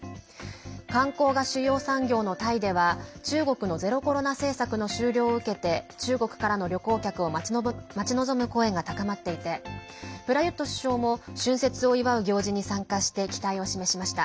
観光が主要産業のタイでは中国のゼロコロナ政策の終了を受けて中国からの旅行客を待ち望む声が高まっていてプラユット首相も春節を祝う行事に参加して期待を示しました。